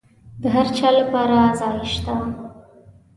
د هرچا لپاره ځای سته.